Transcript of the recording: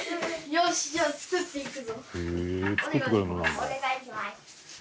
お願いします。